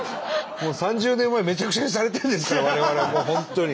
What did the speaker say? ３０年前めちゃくちゃにされてるんですから我々はもう本当に。